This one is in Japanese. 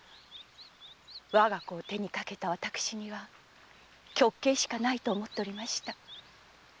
我が子を手にかけた私には極刑しかないと思っていました。